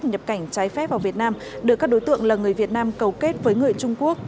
nhập cảnh trái phép vào việt nam được các đối tượng là người việt nam cầu kết với người trung quốc